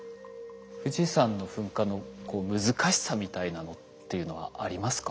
富士山の噴火の難しさみたいなのっていうのはありますか？